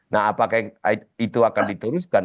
nah apakah itu akan diteruskan